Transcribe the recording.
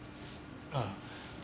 ああ。